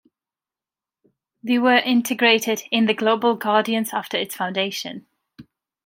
They were integrated in the Global Guardians after its foundation.